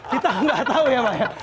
kita gak tau ya pak ya